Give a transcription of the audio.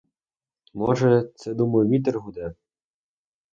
Може, це, думаю, вітер гуде.